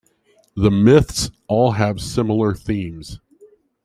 The myths all have similar themes.